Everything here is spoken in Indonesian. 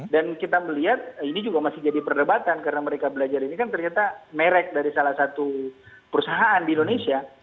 dan kita melihat ini juga masih jadi perdebatan karena merdeka belajar ini kan ternyata merek dari salah satu perusahaan di indonesia